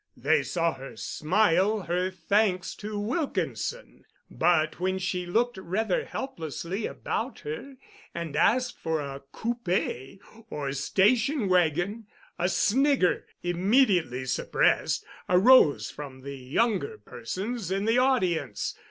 They saw her smile her thanks to Wilkinson, but when she looked rather helplessly about her and asked for a "coupé" or "station wagon" a snigger, immediately suppressed, arose from the younger persons in the audience.